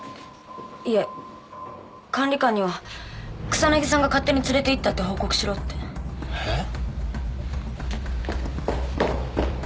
いえ管理官には草薙さんが勝手に連れていったって報告しろってえっ？